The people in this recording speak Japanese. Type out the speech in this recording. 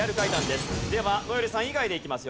では如恵留さん以外でいきますよ。